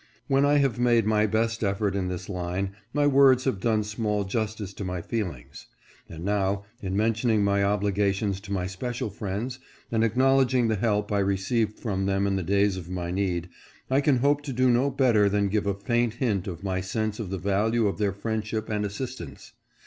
When I have made my best effort in this line, my words have done small justice to my feelings. And now, in mentioning my obligations to my special friends, and acknowledging the help I received from them in the days of my need, I can hope to do no better than give a faint hint of my sense of the value of their friendship and assistance.